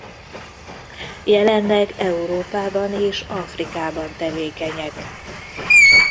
Jelenleg Európában és Afrikában tevékenyek.